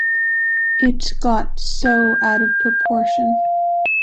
It got so out of proportion.